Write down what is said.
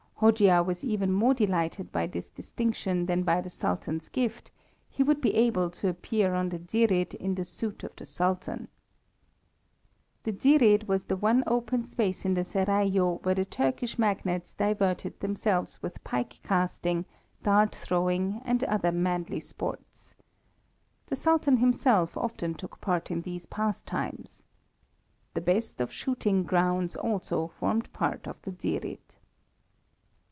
Hojia was even more delighted by this distinction than by the Sultan's gift; he would be able to appear on the Dzsirid in the suite of the Sultan. The Dzsirid was the one open space in the Seraglio where the Turkish magnates diverted themselves with pike casting, dart throwing, and other manly sports. The Sultan himself often took part in these pastimes. The best of shooting grounds also formed part of the Dzsirid.